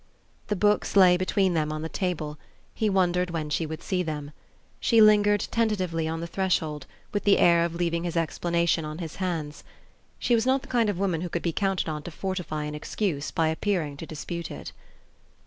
The books lay between them on the table; he wondered when she would see them. She lingered tentatively on the threshold, with the air of leaving his explanation on his hands. She was not the kind of woman who could be counted on to fortify an excuse by appearing to dispute it.